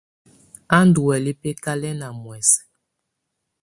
Á ndɔ́ huɛlɛ bǝkalɛna muɛsɛ.